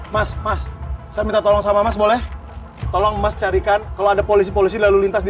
mas mas saya minta tolong sama mas boleh tolong mas carikan kalau ada polisi polisi lalu lintas di